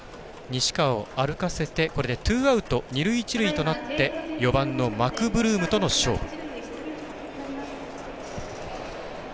西川を歩かせてこれでツーアウト二塁一塁となって４番のマクブルームとの勝負。